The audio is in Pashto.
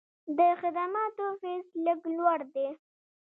د خدماتو فیس لږ لوړ دی.